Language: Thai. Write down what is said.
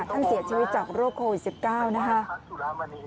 ท่านเสียชีวิตจากโรคโควิด๑๙นะครับ